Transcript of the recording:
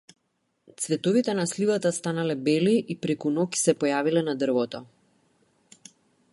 Цветовите на сливата станале бели и преку ноќ се појавиле на дрвото.